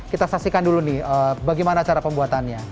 kita saksikan dulu nih bagaimana cara pembuatannya